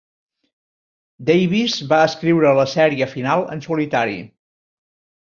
Davis va escriure la sèrie final en solitari.